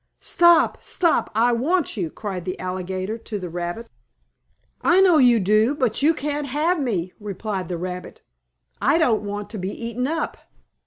"Stop! Stop! I want you!" cried the alligator to the rabbit. "I know you do, but you can't have me!" replied the rabbit. "I don't want to be eaten up!"